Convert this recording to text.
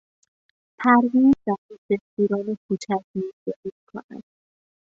پرویز در یک رستوران کوچک میزداری میکند.